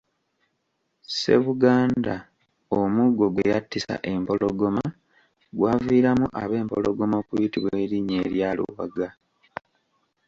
Ssebuganda omuggo gwe yattisa empologoma gwaviiramu ab’empologoma okuyitibwa erinnya erya Luwaga.